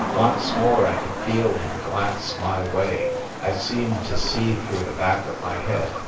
Once more I could feel him glance my way. I seemed to see through the back of my head.